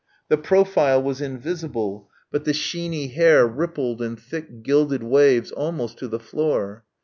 The profile was invisible, but the sheeny hair rippled in thick gilded waves almost to the floor....